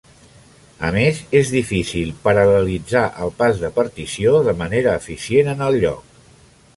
A més, és difícil paral·lelitzar el pas de partició de manera eficient en el lloc.